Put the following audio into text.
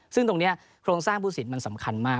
ซึ่งตรงนี้โครงสร้างผู้สินมันสำคัญมาก